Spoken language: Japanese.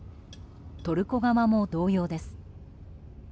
トルコ側も同様です。